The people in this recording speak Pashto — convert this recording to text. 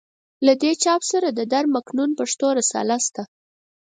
له دې چاپ سره د در مکنون پښتو رساله شته.